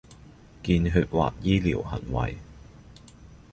見血或醫療行為